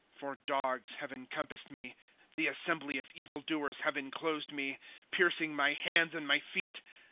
" For dogs have encompassed me ; The assembly of evil doers have inclosed me, Piercing my hands and my feet.